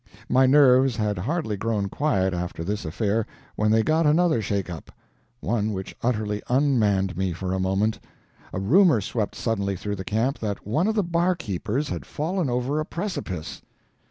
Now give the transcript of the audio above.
My nerves had hardly grown quiet after this affair when they got another shake up one which utterly unmanned me for a moment: a rumor swept suddenly through the camp that one of the barkeepers had fallen over a precipice!